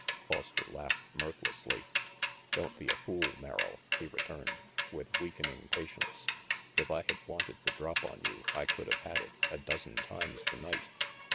Foster laughed mirthlessly. "Don't be a fool, Merrill," he returned, with weakening patience. "If I had wanted the drop on you, I could have had it a dozen times tonight.